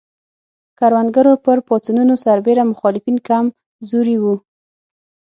کروندګرو پر پاڅونونو سربېره مخالفین کم زوري وو.